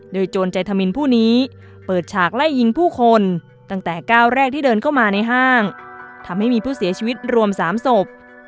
โดยโจรใจธมินผู้นี้เปิดฉากไล่ยิงผู้คนตั้งแต่ก้าวแรกที่เดินเข้ามาในห้างทำให้มีผู้เสียชีวิตรวม๓ศพ